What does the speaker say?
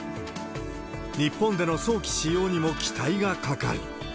日本での早期使用にも期待がかかる。